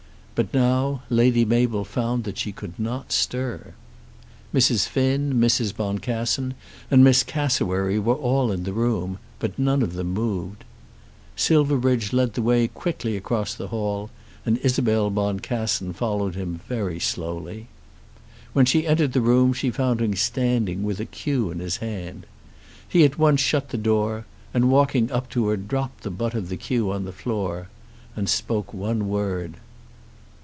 But now, Lady Mabel found that she could not stir. Mrs. Finn, Mrs. Boncassen, and Miss Cassewary were all in the room, but none of them moved. Silverbridge led the way quickly across the hall, and Isabel Boncassen followed him very slowly. When she entered the room she found him standing with a cue in his hand. He at once shut the door, and walking up to her dropped the butt of the cue on the floor and spoke one word.